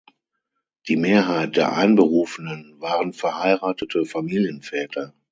Die Mehrheit der Einberufenen waren verheiratete Familienväter.